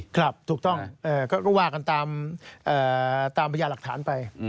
ครับถูกต้องก็ว่ากันตามพญาหลักฐานไป